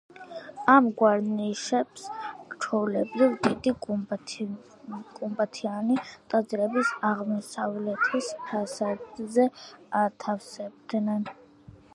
ამგვარ ნიშებს ჩვეულებრივ დიდ გუმბათიანი ტაძრების აღმოსავლეთის ფასადზე ათავსებდნენ.